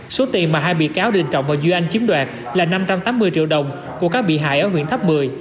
số tiền mà hai bị cáo đình trọng và duy anh chiếm đoạt là năm trăm tám mươi triệu đồng của các bị hại ở huyện tháp một mươi